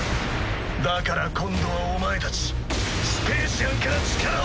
だから今度はお前たちスペーシアンから力を奪う！